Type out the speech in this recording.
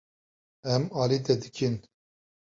Em alî te dikin.